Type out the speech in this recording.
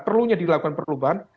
perlunya dilakukan perubahan